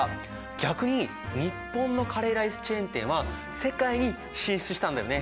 逆に日本のカレーライスチェーン店は世界に進出したんだよね。